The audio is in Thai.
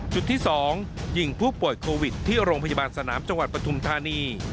จุดที่๒ยิงผู้ป่วยโควิดที่โรงพยาบาลสนามจังหวัดปฐุมธานี